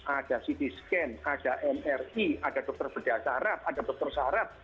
ada ct scan ada mri ada dokter pedasarap ada dokter sarap